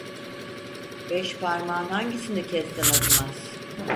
Beş parmağın hangisini kessen acımaz?